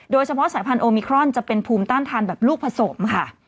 สายพันธุมิครอนจะเป็นภูมิต้านทานแบบลูกผสมค่ะ